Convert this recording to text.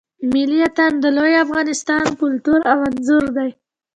ملی آتڼ د لوی افغانستان کلتور او آنځور دی.